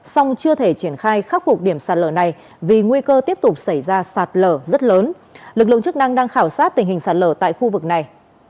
song chưa thể triển khai khắc phục điểm sạt lở này vì nguy cơ tiếp tục xảy ra sạt lở rất lớn lực lượng chức năng đang khảo sát tình hình sạt lở tại khu vực này